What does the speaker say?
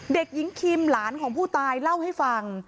เด็กหญิงคิมหลานของผู้ตายเล่าให้ฟัง